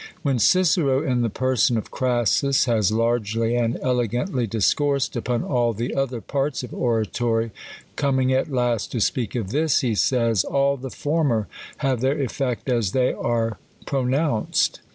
When Cicero, in the person of Crassus, has largely and elegantly discoursed \ipon all the other parts of oratory, coming at last to speak of this, he says, " All the former have their effect as they are pronoun ced.